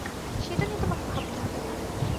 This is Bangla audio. সেটা নিয়ে তোমাকে ভাবতে হবে না।